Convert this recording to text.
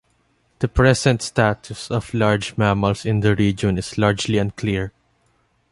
The present status of large mammals in the region is largely unclear.